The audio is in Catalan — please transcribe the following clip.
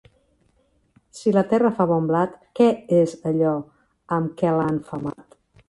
Si la terra fa bon blat, què és allò amb què l'han femat?